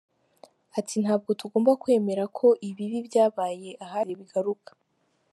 Ati “Ntabwo tugomba kwemera ko ibibi byabaye ahashize bigaruka.